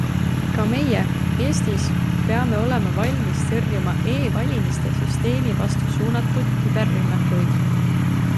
Ka meie, Eestis, peame olema valmis tõrjuma e-valimiste süsteemi vastu suunatud küberrünnakuid.